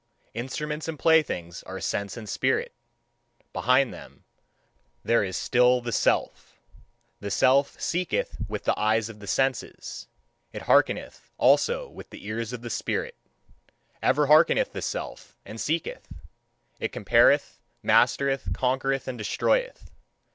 Instruments and playthings are sense and spirit: behind them there is still the Self. The Self seeketh with the eyes of the senses, it hearkeneth also with the ears of the spirit. Ever hearkeneth the Self, and seeketh; it compareth, mastereth, conquereth, and destroyeth.